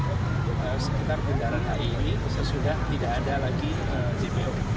sekaligus ditunjukkan bagaimana setting sekitar bundaran hi ini sesudah tidak ada lagi jpo